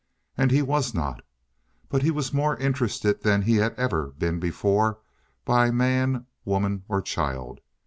And he was not, but he was more interested than he had ever been before by man, woman, or child.